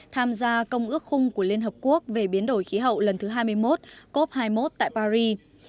tham gia công ước khung của liên hợp quốc về biến đổi khí hậu lần thứ hai mươi một cop hai mươi một tại paris